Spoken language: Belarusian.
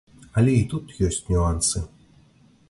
Але і тут ёсць нюансы.